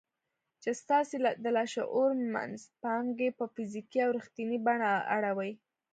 چې ستاسې د لاشعور منځپانګې په فزيکي او رښتينې بڼه اړوي.